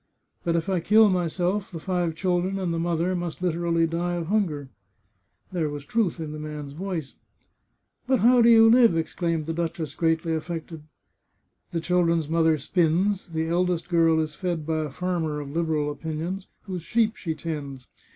But if I kill myself, the five children and the mother must literally die of hun ger." There was truth in the man's voice. " But how do you live ?" exclaimed the duchess, greatly affected. " The children's mother spins ; the eldest girl is fed by a farmer of Liberal opinions, whose sheep she tends.